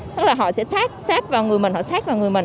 tức là họ sẽ sát sát vào người mình họ sát vào người mình